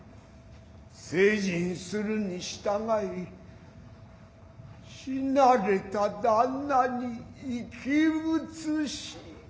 成人するに従い死なれた旦那に生写し。